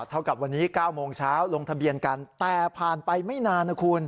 เท่ากับวันนี้๙โมงเช้าลงทะเบียนกันแต่ผ่านไปไม่นานนะคุณ